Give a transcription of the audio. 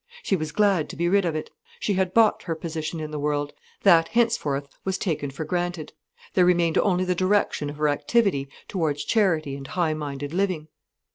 She was glad to be rid of it. She had bought her position in the world—that henceforth was taken for granted. There remained only the direction of her activity towards charity and high minded living.